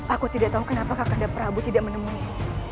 aku tidak tahu kenapa kakak prabu tidak menemui